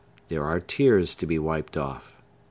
There are tears to be wiped off.